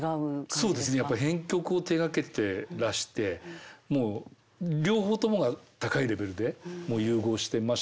そうですねやっぱり編曲を手がけてらしてもう両方ともが高いレベルでもう融合してましたから。